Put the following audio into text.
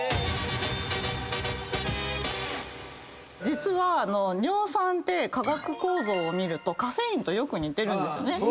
実は尿酸って化学構造を見るとカフェインとよく似てるんですね